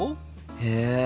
へえ。